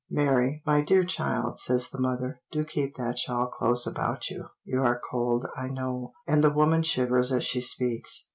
"Mary, my dear child," says the mother, "do keep that shawl close about you; you are cold, I know," and the woman shivers as she speaks.